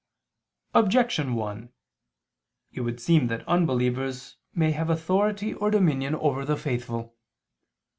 Objection 1: It would seem that unbelievers may have authority or dominion over the faithful.